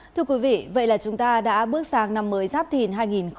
thưa quý vị vậy là chúng ta đã bước sang năm mới giáp thìn hai nghìn hai mươi bốn